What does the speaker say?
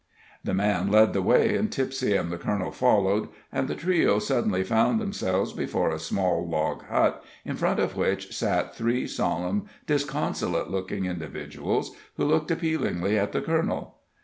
The man led the way, and Tipsie and the colonel followed, and the trio suddenly found themselves before a small log hut, in front of which sat three solemn, disconsolate looking individuals, who looked appealingly at the colonel.